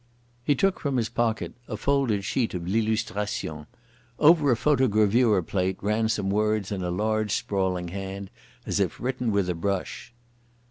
He took from his pocket a folded sheet of L'Illustration. Over a photogravure plate ran some words in a large sprawling hand, as if written with a brush.